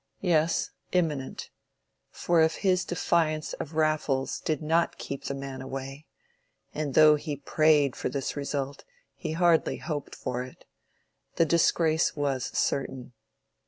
Yes, imminent; for if his defiance of Raffles did not keep the man away—and though he prayed for this result he hardly hoped for it—the disgrace was certain.